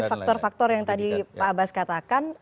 nah dari faktor faktor yang tadi pak abbas katakan